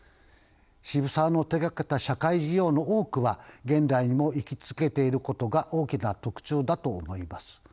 渋沢の手がけた社会事業の多くは現代にも生き続けていることが大きな特徴だと思います。